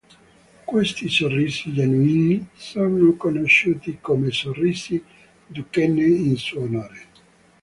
Questi sorrisi “genuini” sono conosciuti come sorrisi Duchenne in suo onore.